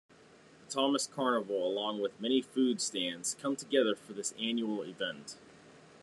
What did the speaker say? The Thomas Carnival along with many food stands come together for this annual event.